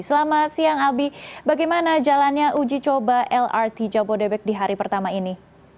selamat siang albi bagaimana jalannya uji coba lrt jabodebek di hari pertama ini